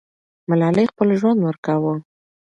ملالۍ خپل ژوند ورکاوه.